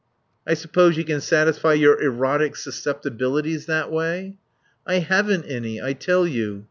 "I suppose you can satisfy your erotic susceptibilities that way." "I haven't any, I tell you.